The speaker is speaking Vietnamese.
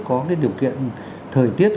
có cái điều kiện thời tiết